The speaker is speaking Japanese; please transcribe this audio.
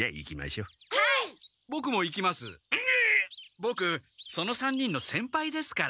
ボクその３人の先輩ですから。